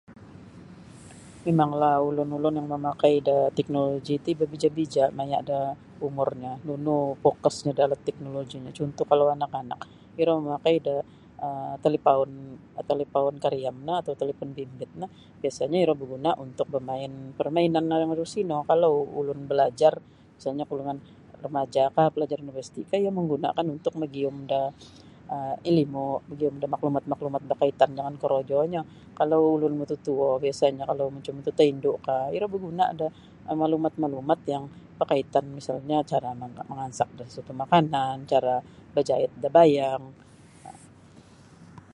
Mimanglah ulun-ulun yang mamakai da teknoloji ti babija'-bija' maya' da umurnyo nunu fokusnyo da alat teknoloji no cuntuh kalau anak-anak iro mamakai da um talipaun talipaun kariam no atau talipon bimbit no biasa'nyo iro baguna' untuk barmain permainan yang aru sino kalau ulun balajar misalnyo golongan remajakah palajar universitikah iyo manggunakan untuk magiyum da um ilimu' magiyum da maklumat-maklumat bakaitan jangan korojonyo. Kalau ulun mututuo misalnya mtutuindokah iro baguna' da maklumat-maklumat yang bakaitan misalnyo cara manga mangansak da sasuatu' makanan cara bajait da bayang um.